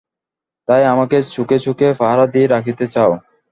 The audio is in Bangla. তাই আমাকে চোখে চোখে পাহারা দিয়া রাখিতে চাও?